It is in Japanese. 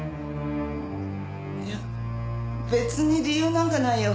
いや別に理由なんかないよ。